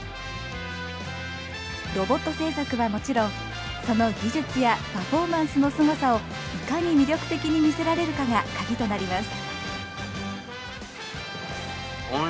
ロボット製作はもちろんその技術やパフォーマンスのすごさをいかに魅力的に見せられるかが鍵となります。